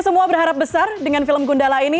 semua berharap besar dengan film gundala ini